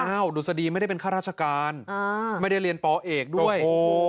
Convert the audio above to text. ดุษฎีไม่ได้เป็นข้าราชการไม่ได้เรียนปเอกด้วย